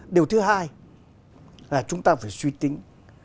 điều thứ hai là chúng ta phải suy tính